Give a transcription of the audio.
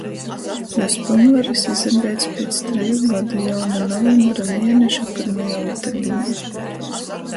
Juos pylnvarys izabeidz piec treju godu jauna novembra mieneša pyrmajā ūtardīnē